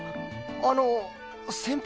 あの先輩？